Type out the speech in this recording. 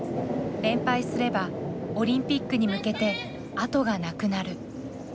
連敗すればオリンピックに向けて後がなくなる。